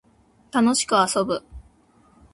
楽しく遊ぶ